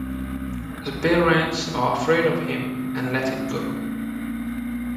The parents are afraid of him and let it go.